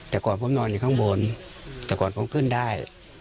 แต่ก่อนผมนอนอยู่ข้างบนแต่ก่อนผมขึ้นได้